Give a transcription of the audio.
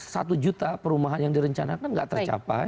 satu juta perumahan yang direncanakan nggak tercapai